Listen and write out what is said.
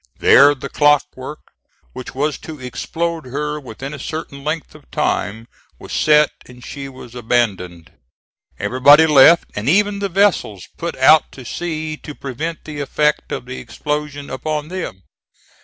There the clockwork, which was to explode her within a certain length of time, was set and she was abandoned. Everybody left, and even the vessels put out to sea to prevent the effect of the explosion upon them.